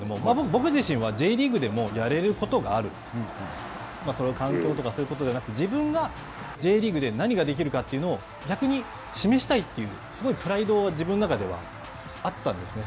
僕自身はＪリーグでもやれることがあるそれを環境とかそういうことではなくて自分がＪリーグで何ができるかというのを逆に示したいというすごいプライドを自分の中ではあったんですね。